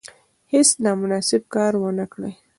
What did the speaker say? هیڅ نامناسب کار ونه کړي.